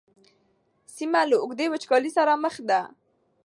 سیمه له اوږدې وچکالۍ سره مخ ده.